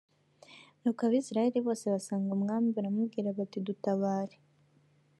nuko abisirayeli bose basanga umwami baramubwira bati dutabare